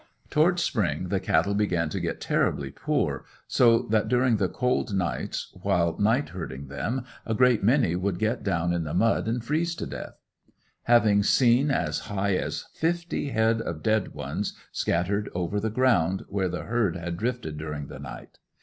Towards spring the cattle began to get terribly poor, so that during the cold nights while night herding them a great many would get down in the mud and freeze to death. Have seen as high as fifty head of dead ones scattered over the ground where the herd had drifted during the night.